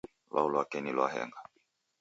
Lwau lwake ni lwa henga.